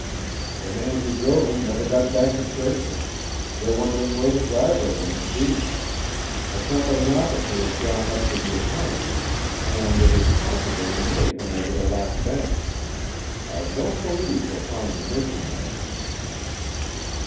"The man who drove him never got back to Churchill. They're wondering where the driver went, too. A company officer has gone up to the Etawney, and it is possible he may come over to Lac Bain. I don't believe he'll find the missionary."